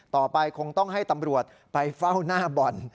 ต่อไปคงต้องให้ตำรวจไปเฝ้าหน้าบ่อน